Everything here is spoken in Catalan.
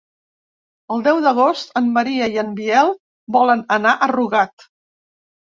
El deu d'agost en Maria i en Biel volen anar a Rugat.